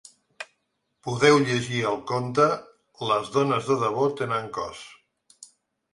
Podeu llegir el conte Les dones de debò tenen cos.